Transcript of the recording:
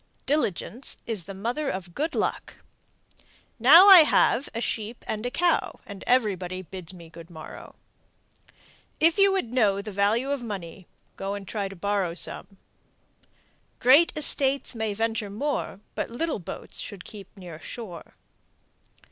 Diligence is the mother of good luck. Now I have a sheep and a cow, everybody bids me good morrow. If you would know the value of money, go and try to borrow some. Great estates may venture more, but little boats should keep near shore.